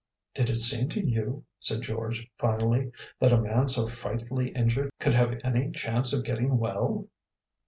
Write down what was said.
"Did it seem to you," said George finally, "that a man so frightfully injured could have any chance of getting well?"